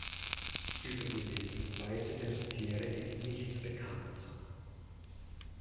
Über die Lebensweise der Tiere ist nichts bekannt.